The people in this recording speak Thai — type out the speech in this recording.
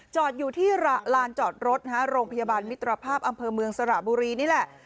จอดอยู่ที่ลานจอดรถนะฮะโรงพยาบาลมิตรภาพอำเภอเมืองสระบุรีนี่แหละ